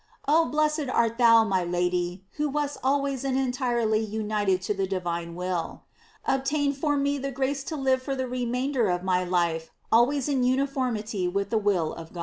"J Oh, blessed art thou, my Lady, who wast always and entirely united to the divine will ! Obtain for me the grace to live for the remainder of my life al ways in uniformity with the will of God.